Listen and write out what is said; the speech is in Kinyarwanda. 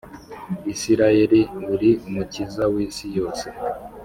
Isirayeli uri Umukiza wisi yose